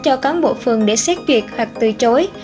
cho cán bộ phường để xét việc hoặc từ chối